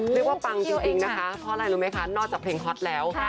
ปังจริงนะคะเพราะอะไรรู้ไหมคะนอกจากเพลงฮอตแล้ว